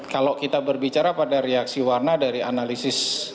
kalau kita berbicara pada reaksi warna dari analisis